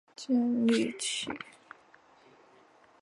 天主教罗德里戈城教区是天主教会在西班牙的一个教区。